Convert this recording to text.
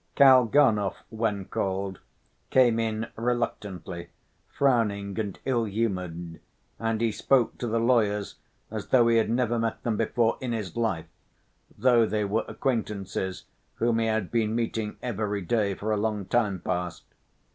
Kalganov, when called, came in reluctantly, frowning and ill‐humored, and he spoke to the lawyers as though he had never met them before in his life, though they were acquaintances whom he had been meeting every day for a long time past.